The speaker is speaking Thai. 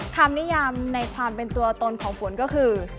นิยามในความเป็นตัวตนของฝนก็คือ